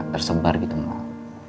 tersebar gitu mak